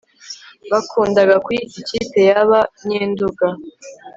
bakundaga kuyita ikipe yaba nyendunga